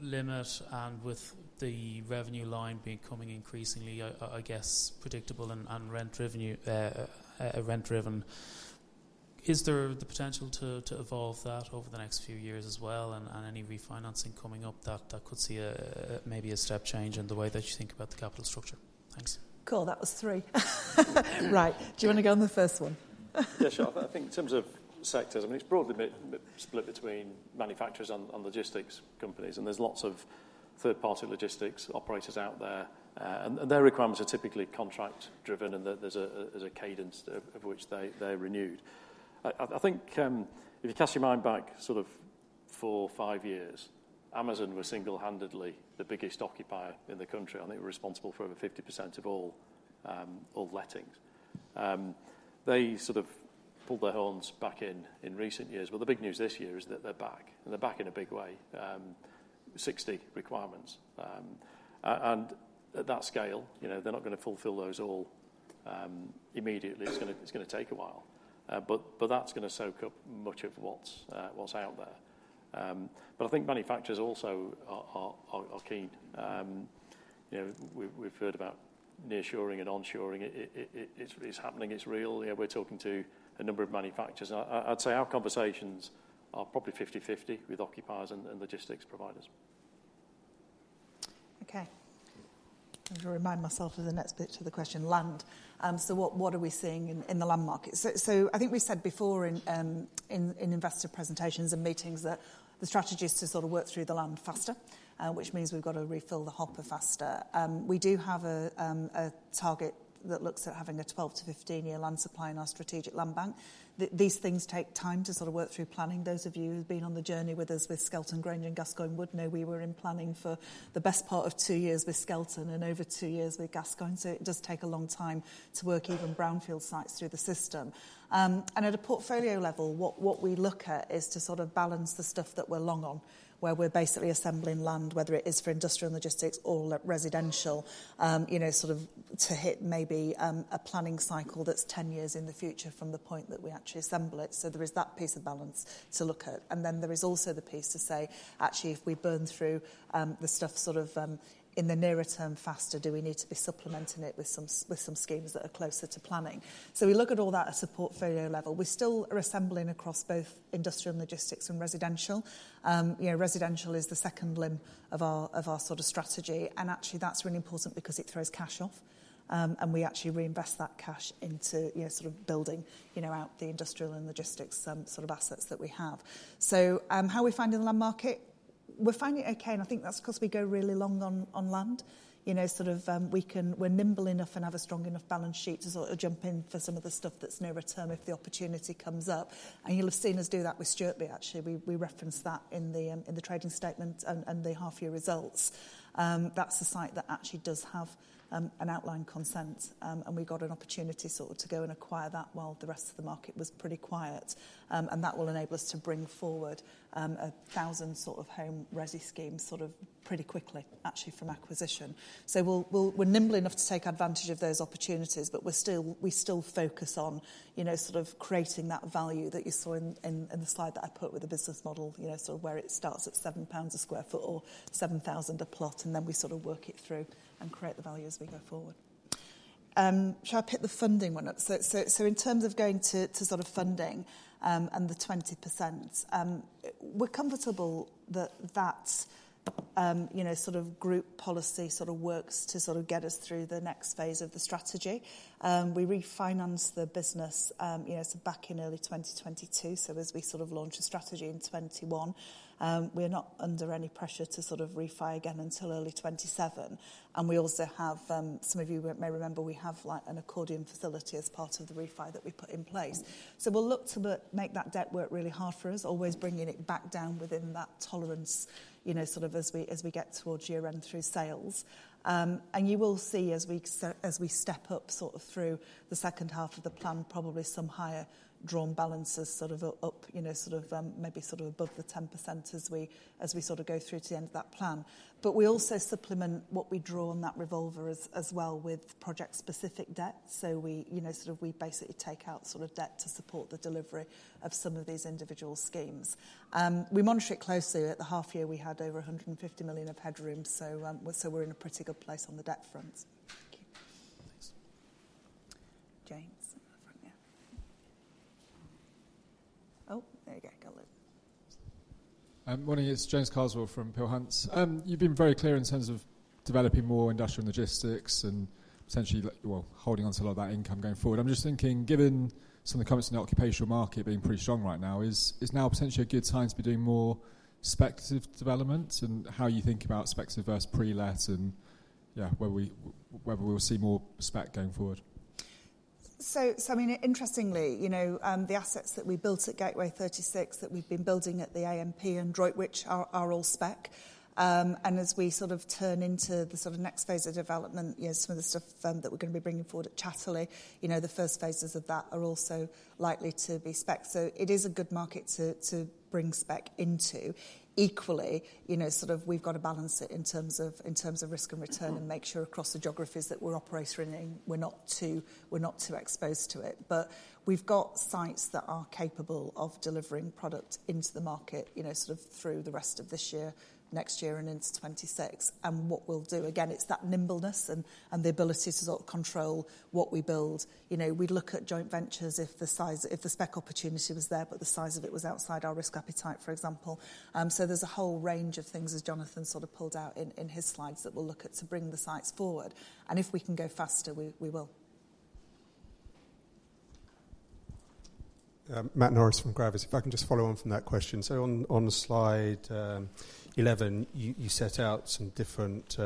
limit and with the revenue line being comfortable, increasingly, I guess, predictable and rent driven, is there the potential to evolve that over the next few years as well? And any refinancing coming up that could see maybe a step change in the way that you think about the capital structure? Thanks. Cool. That was three, right? Do you want to go on the first one? Yeah, sure. I think in terms of sectors, I mean it's broadly split between manufacturers and logistics companies and there's lots of third party logistics operators out there and their requirements are typically contract driven and there's a cadence of which they're renewed. I think if you cast your mind back sort of four, five years. Amazon was single-handedly the biggest occupier in the country and they were responsible for over 50% of all lettings. They sort of pulled their horns back in, in recent years, well, the big news this year is that they're back and they're back in a big way. 60 requirements and at that scale, you know, they're not going to fulfill those all immediately. It's going to take a while, but that's going to soak up much of what's out there. But I think manufacturers also are keen. We've heard about near shoring and onshoring happening. It's real. We're talking to a number of manufacturers. I'd say our conversations are probably 50-50 with occupiers and logistics providers. Okay, I'll remind myself of the next bit to the question. Land. So what are we seeing in the land market? So I think we said before in investor presentations and meetings that the strategy is to sort of work through the land faster, which means we've got to refill the hopper faster. We do have a target that looks at having a 12- to 15-year land supply in our strategic land bank. These things take time to sort of work through planning. Those of you who've been on the journey with us with Skelton Grange and Gascoigne would know we were in planning for the best part of two years with Skelton and over two years with Gascoigne. So it does take a long time to work even brownfield sites through the system. At a portfolio level, what we look at is to sort of balance the stuff that we're long on, where we're basically assembling land, whether it is for industrial, logistics or residential, you know, sort of to hit maybe a planning cycle that's 10 years in the future from the point that we actually assemble it. So there is that piece of balance to look at and then there is also the piece to say, actually if we burn through the stuff sort of in the nearer term, faster, do we need to be supplementing it with some schemes that are closer to planning? So we look at all that as a portfolio level. We still are assembling across both industrial and logistics and residential. Residential is the second limb of our sort of strategy, and actually that's really important because it throws cash off, and we actually reinvest that cash into sort of building out the industrial and logistics sort of assets that we have, so how are we finding the land market? We're finding it okay, and I think that's because we go really long on land sort of; we're nimble enough and have a strong enough balance sheet to support or jump in for some of the stuff that's nearer term if the opportunity comes up. And you'll have seen us do that with Sturton actually. We referenced that in the trading statement and the half year results. That's the site that actually does have an outline consent, and we got an opportunity sort of to go and acquire that while the rest of the market was pretty quiet. And that will enable us to bring forward a thousand sort of home resi schemes sort of pretty quickly actually from acquisition. So we're nimble enough to take advantage of those opportunities, but we still focus on sort of creating that value that you saw in the slide that I put with the business model where it starts at 7 pounds a sq ft or 7,000 a plot and then we sort of work it through and create the value as we go forward. Shall I pick the funding one up? So in terms of going to sort of funding and the 20%, we're comfortable that, that, you know, sort of group policy sort of works to sort of get us through the next phase of the strategy. We refinanced the business, you know, back in early 2022. So as we sort of launch a strategy in 2021, we're not under any pressure to sort of refi again until early 2027. And we also have, some of you may remember, we have like an accordion facility as part of the refi that we put in place. So we'll look to make that debt work really hard for us, always bringing it back down within that tolerance, you know, sort of as we get towards year end through sales and you will see as we step up sort of through the second half of the plan, probably some higher drawn balances sort of up, you know, sort of maybe sort of above the 10% as we go through to the end of that plan. But we also supplement what we draw on that revolver as well with project specific debt. So we, you know, sort of, we basically take out sort of debt to support the delivery of some of these individual schemes. We monitor it closely. At the half year we had over 150 million of headroom, so we're in a pretty good place on the debt front. James? Oh, there you go. Morning. It's James Carswell from Peel Hunt. You've been very clear in terms of developing more industrial logistics and essentially holding onto a lot of that income going forward. I'm just thinking, given some of the comments in the occupational market being pretty strong right now, is now potentially a good time to be doing more speculative development and how you think about specs versus pre-let and whether we will see more spec going forward. So I mean interestingly, you know, the assets that we built at Gateway 36, that we've been building at the AMP and Droitwich, which are all spec and as we sort of turn into the sort of next phase of development, some of the stuff that we're going to be bringing forward at Chatterley, you know, the first phases of that are also likely to be spec. So it is a good market to bring spec into equally, you know, sort of we've got to balance it in terms of, in terms of risk and return and make sure across the geographies that we're operating. We're not too exposed to it, but we've got sites that are capable of delivering product into the market, you know, sort of through the rest of this year, next year and into 2026. What we'll do again, it's that nimbleness and the ability to control what we build. You know, we'd look at joint ventures if the size, if the spec opportunity was there, but the size of it was outside our risk appetite, for example. So there's a whole range of things as Jonathan sort of pulled out in his slides, that we'll look at to bring the sites forward and if we can go faster, we will. Matt Norris from Gravis, if I can just follow on from that question. So on slide 11 you set out some different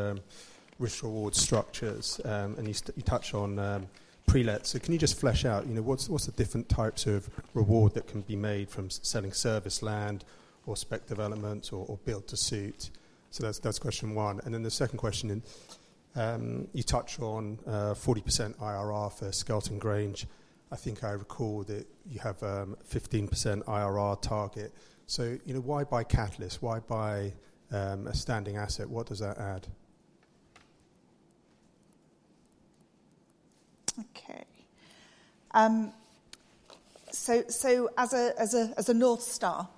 risk reward structures and you touch on pre-let. So can you just flesh out what's the different types of reward that can be made from selling serviced land or speculative development or build-to-suit. So that's question one and then the second question you touch on 40% IRR for Skelton Grange. I think I recall that you have 15% IRR target. So you know, why buy Catalyst? Why buy a standing asset? What does that add? Okay, so as a North Star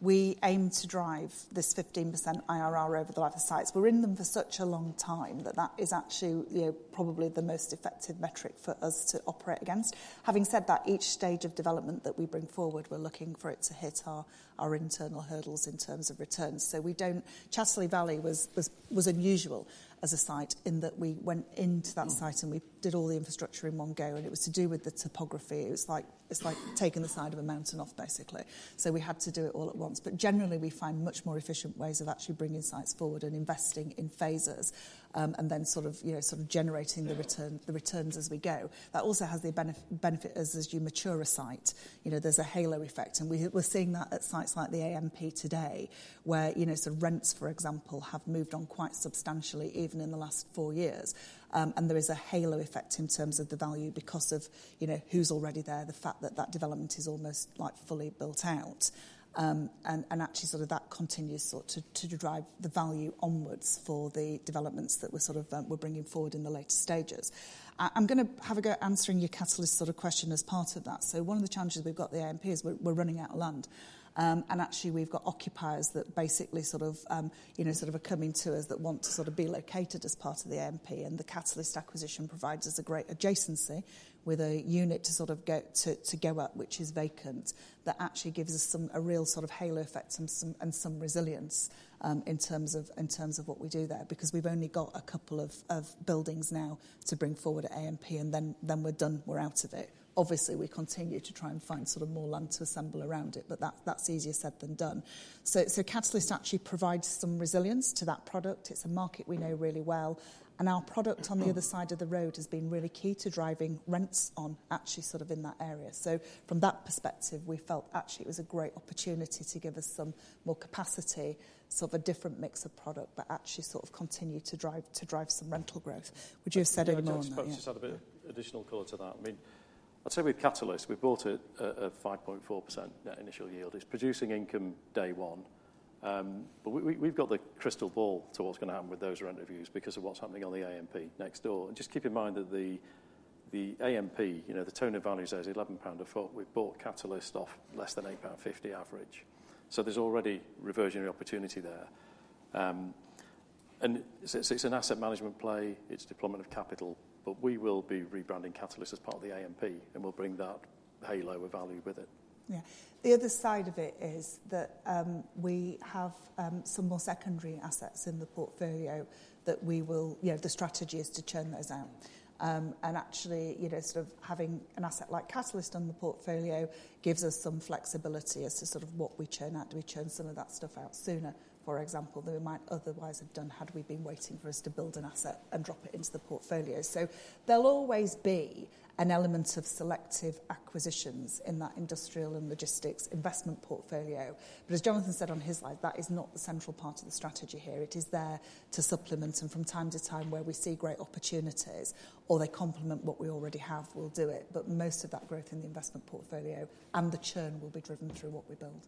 we aim to drive this 15% IRR over the life of sites. We're in them for such a long time that that is actually probably the most effective metric for us to operate against. Having said that, each stage of development that we bring forward, we're looking for it to hit our internal hurdles in terms of returns. Chatterley Valley was unusual as a site in that we went into that site. We did all the infrastructure in one go, and it was to do with the topography. It's like taking the side of a mountain off, basically, so we had to do it all at once. But generally we find much more efficient ways of actually bringing sites forward and investing in phases and then sort of generating the returns as we go. That also has the benefit. As you mature a site, there's a halo effect, and we're seeing that at sites like the AMP today, where rents, for example, have moved on quite substantially, even in the last four years, and there is a halo effect in terms of the value because of, you know, who's already there. The fact that that development is almost like fully built out and actually that continues to drive the value onwards. For the developments that we're bringing forward in the later stages, I'm going to have a go answering your Catalyst sort of question as part of that, so one of the challenges we've got the AMP is we're running out of land and actually we've got occupiers that basically sort of, you know, sort of are coming to us that want to sort of be located as part of the AMP. The Catalyst acquisition provides us a great adjacency with a unit to sort of get to go up which is vacant. That actually gives us some real sort of halo effect and some resilience in terms of what we do there, because we've only got a couple of buildings now to bring forward at Amp, and then we're done, we're out of it. Obviously, we continue to try and find sort of more land to assemble around it, but that's easier said than done. Catalyst actually provides some resilience to that product. It's a market we know really well, and our product on the other side of the road has been really key to driving rents on, actually sort of in that area. So from that perspective, we felt actually it was a great opportunity to give us some more capacity, sort of a different mix of product, but actually sort of continue to drive some rental growth. Would you have said in additional colour to that? I mean, I'd say with Catalyst, we bought it at 5.4% net initial yield. It's producing income day one. But we've got the crystal ball to what's going to happen with those rent reviews because of what's happening on the AMP next door. And just keep in mind that the AMP, you know, the tone of value says £11 a foot. We've bought Catalyst off less than £8.50 average. So there's already reversionary opportunity there. And since it's an asset management play, it's deployment of capital. But we will be rebranding Catalyst as part of the AMP and we'll bring that halo of value with it. Yeah. The other side of it is that we have some more secondary assets in the portfolio that we will, you know, the strategy is to churn those out and actually, you know, sort of having an asset like Catalyst on the portfolio gives us some flexibility as to sort of what we churn out. Do we churn some of that stuff out sooner, for example, than we might otherwise have done had we been waiting for us to build an asset and drop it into the portfolio? So there'll always be an element of selective acquisitions in that industrial and logistics investment portfolio. But as Jonathan said on his slide, that is not the central part of the strategy here. It is there to supplement and from time to time, where we see great opportunities is or they complement what we already have, we'll do it. But most of that growth in the investment portfolio and the churn will be driven through what we build.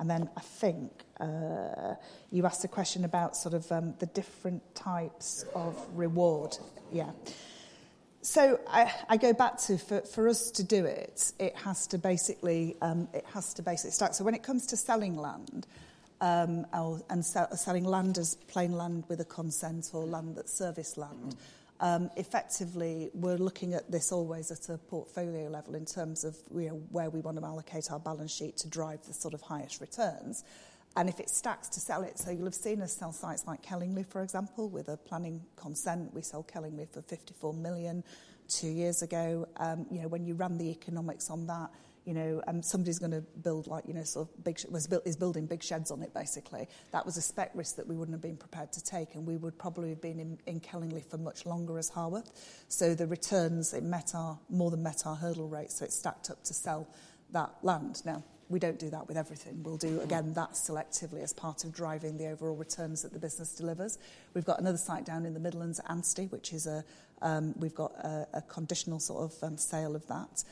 And then I think you asked a question about sort of the different types of reward. Yeah. So I go back to. For us to do has to basically start. So when it comes to selling land and selling land as plain land with a consent or land that serviced land, effectively, we're looking at this always at a portfolio level in terms of where we want to allocate our balance sheet to drive the sort of highest returns and if it stacks, to sell it. So you'll have seen us sell sites like Kellingley, for example, with a planning consent. We sold Kellingley for 54 million two years ago. When you run the economics on that, somebody's going to build like, you know, sort of big is building big sheds on it. Basically that was a spec risk that we wouldn't have been prepared to take and we would probably have been in Kellingley for much longer as Harworth. So the returns, it more than met our hurdle rate, so it stacked up to sell that land. Now we don't do that with everything. We'll do again that selectively as part of driving the overall returns that the business delivers. We've got another site down in the Midlands, Anstey, which is a. We've got a conditional sort of sale of that.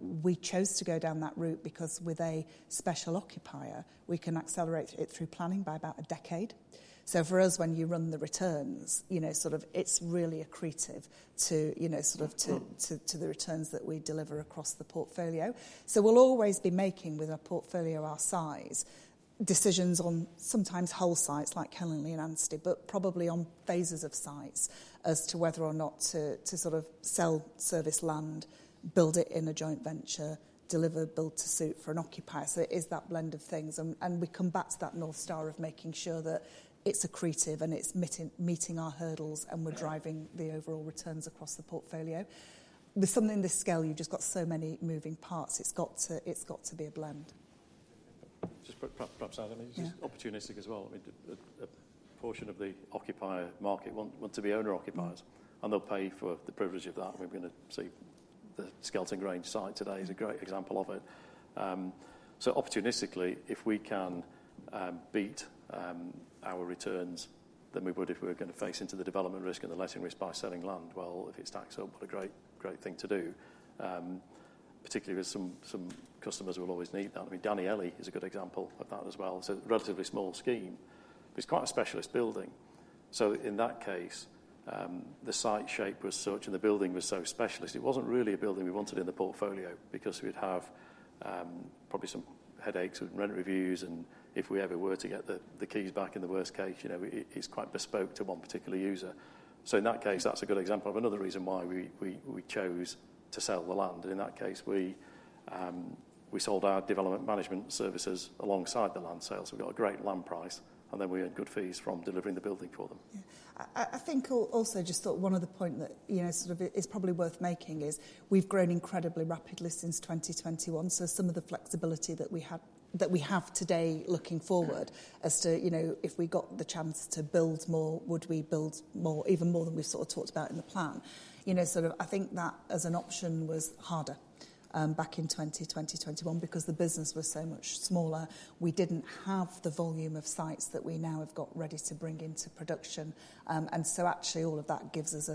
We chose to go down that route because with a special occupier we can accelerate it through planning by about a decade. So for us, when you run the returns, you know, sort of, it's really accretive to, you know, sort of to the returns that we deliver across the portfolio. We'll always be making with a portfolio our size decisions on sometimes whole sites like Kellingley and Anstey, but probably on phases of sites as to whether or not to sort of sell serviced land, build it in a joint venture, deliver, build-to-suit for an occupier. It is that blend of things and we come back to that North Star of making sure that it's accretive and it's meeting our hurdles and we're driving the overall returns across the portfolio. With something this scale, you've just got so many moving parts, it's got to be a blend. Just put props out. I mean opportunistic as well. A portion of the occupier market want to be owner occupiers and they'll pay for the privilege of that. We're going to see the Skelton Grange site today is a great example of it. So opportunistically, if we can beat our returns than we would if we were going to face into the development risk and the letting risk by selling land. Well, if it's taxable, what a great thing to do, particularly with some. Some customers will always need that. I mean, Danieli is a good example of that as well. So relatively small scheme, it's quite a specialist building. So in that case, the site shape was such. The building was so specialist, it wasn't really a building we wanted in the portfolio because we'd have probably some headaches with rent reviews and if we ever were to get the keys back, in the worst case it's quite bespoke to one particular user. So in that case, that's a good example of another reason why we chose to sell the land. In that case, we sold our development management services alongside the land sales. We got a great land price and then we had good fees from delivering the building for them. I think also just thought one other point that is probably worth making is we've grown incredibly rapidly since 2021, so some of the flexibility that we have today, looking forward as to if we got the chance to build more or would we build more, even more than we've sort of talked about in the plan. I think that as an option was harder back in 2020, 2021 because the business was so much smaller. We didn't have the volume of sites that we now have got ready to bring into production. And so actually all of that gives us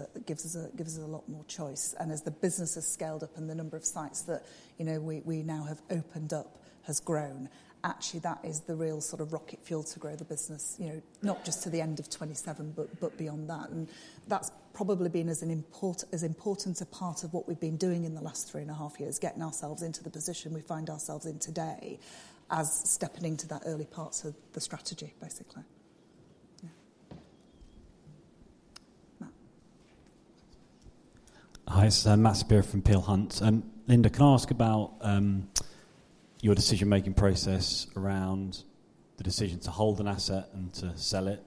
a lot more choice, and as the business has scaled up and the number of sites that we now have opened up has grown, actually that is the real sort of rocket fuel to grow the business, you know, not just to the end of 2027, but beyond that. And that's probably been as important a part of what we've been doing in the last three and a half years, getting ourselves into the position we find ourselves in today as stepping into that early parts of the strategy, basically. Matt. Hi, it's Matt Saperia from Peel Hunt. Lynda, can I ask about your decision making process around the decision to hold an asset and to sell it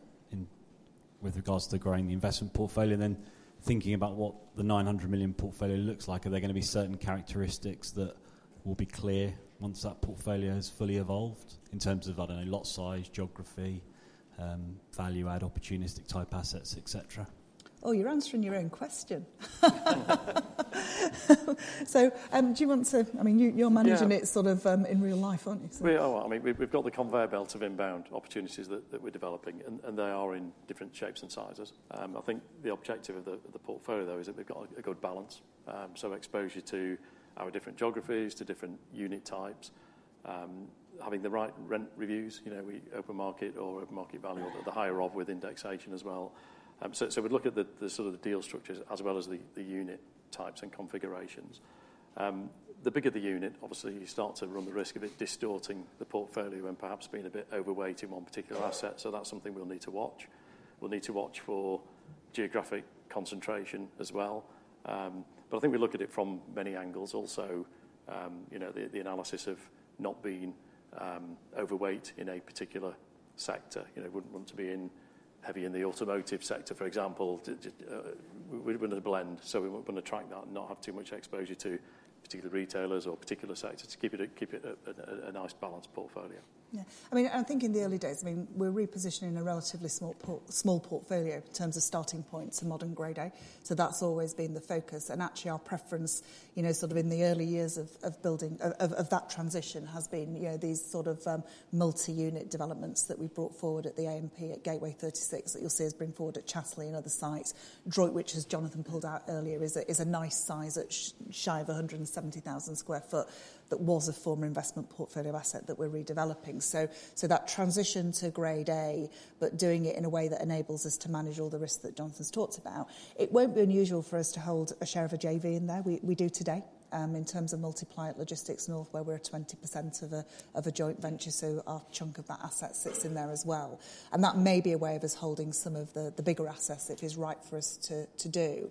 with regards to growing the investment portfolio, then thinking about what the 900 million portfolio looks like, are there going to be certain characteristics that will be clear once that portfolio has fully evolved in terms ff, I don't know, lot size, geography, value add, opportunistic type, assets, etc. Oh, you're answering your own question. So do you want to? I mean, you're managing it so of in real life, aren't you? We are. I mean we've got the conveyor belt of inbound opportunities that we're developing and they are in different shapes and sizes. I think the objective of the portfolio though is that we've got a good balance. So exposure to our different geographies, to different unit types, having the right rent reviews, you know, we open market or open market value or the higher of with indexation as well. So we'd look at the sort of the deal structures as well as the unit types and configurations. The bigger the unit, obviously you start to run the risk of it distorting the portfolio and perhaps being a bit overweight in one particular asset. So that's something we'll need to watch. We'll need to watch for geographic concentration as well. But I think we look at it from many angles also. You know, the analysts on not being overweight in a particular sector. We wouldn't want to be in it heavy. In the automotive sector, for example, we wanted to blend. So we're going to track that and not have too much exposure to particular retailers or particular sectors to keep it, keep it a nice balanced portfolio. Yeah, I mean I think in the early days, I mean we're repositioning a relatively small portfolio in terms of starting points in modern Grade A. So that's always been the focus and actually our preference, you know, sort of in the early years of building of that transition has been these sort of multi-unit developments that we've brought forward at the AMP at Gateway 36 that you'll see us bring forward at Chatterley and other sites Droitwich, which as Jonathan pulled out earlier is a nice size shy of 170,000 sq ft. That was a former investment portfolio asset that we're redeveloping. So that transition to Grade A. But doing it in a way that enables us to manage all the risks that Jonathan's talked about. It won't be unusual for us to hold a share of a JV in there. We do today in terms of multi-let Logistics North where we're at 20% of a joint venture. So our chunk of that asset sits in there as well. And that may be a way of us holding some of the bigger assets that is right for us to do.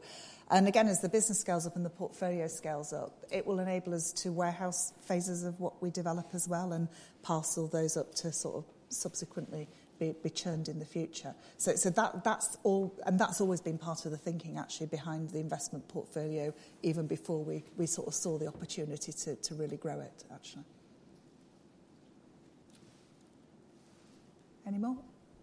And again, as the business scales up and the portfolio scales up, it will enable us to warehouse phases of what we develop as well and parcel those up to sort of subsequently be churned in the future. So that's all. And that's always been part of the thinking actually behind the investment portfolio even before we sort of saw the opportunity to really grow it actually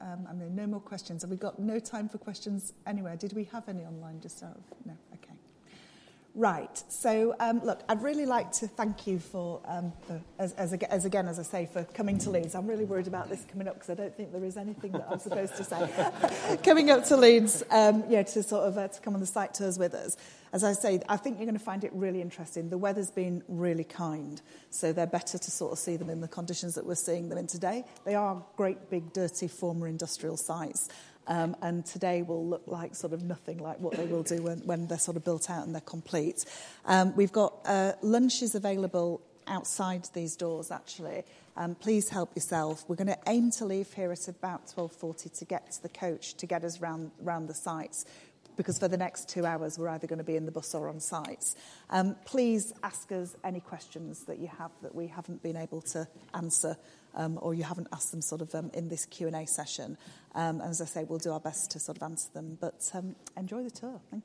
anymore. I mean, no more questions. Have we got no time for questions anywhere? Did we have any online? Just out of. No. Okay. Right, so look, I'd really like to thank you for, as again, as I say, for coming to Leeds. I'm really worried about this coming up because I don't think there is anything that I'm supposed to say coming up to Leeds to sort of to come on the site tours with us. As I say, I think you're going to find it really interesting. The weather's been really kind so they're better to sort of see them in the conditions that we're seeing them in today. They are great big dirty former industrial sites and today will look like sort of nothing like what they will do when they're sort of built out and they're complete. We've got lunches available outside these doors actually. Please help yourself. We're going to aim to leave here at about 12:40 P.M. to get to the coach to get us around the sites because for the next two hours we're either going to be in the bus or on sites. Please ask us any questions that you have that we haven't been able to answer or you haven't asked them sort of in this Q&A session. And as I say, we'll do our best to sort of answer them, but enjoy the tour. Thank you.